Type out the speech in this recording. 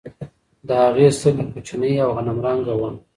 د هغې سترګې کوچنۍ او غنم رنګه وه.